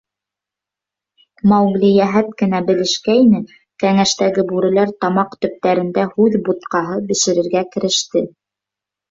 — Маугли йәһәт кенә белешкәйне, кәңәштәге бүреләр тамаҡ төптәрендә һүҙ бутҡаһы бешерергә кереште.